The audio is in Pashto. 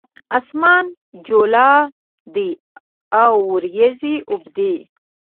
اسمان جولا دی اوریځې اوبدي